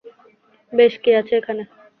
বেশ, কি আছে এখানে?